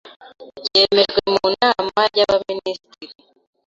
ryemejwe mu Nama y’Abaminisitiri